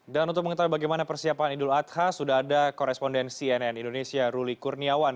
dan untuk mengetahui bagaimana persiapan idul adha sudah ada korespondensi nn indonesia ruli kurniawan